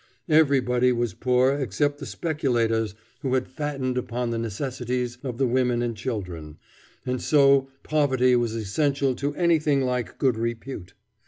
Everybody was poor except the speculators who had fattened upon the necessities of the women and children, and so poverty was essential to anything like good repute.